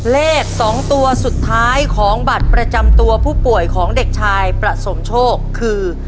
เลข๒ตัวสุดท้ายของบัตรประจำตัวผู้ป่วยของเด็กชายประสมโชคคือ